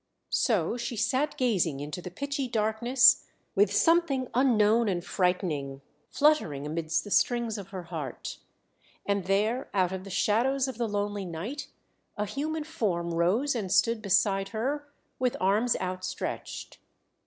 So she sat gazing into the pitchy darkness with something unknown and frightening, fluttering amidst the strings of her heart. And there out of the shadows of the lonely night a human form rose and stood beside her, with arms outstretched.